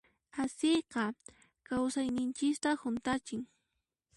Asiyqa kawsayninchista hunt'achin.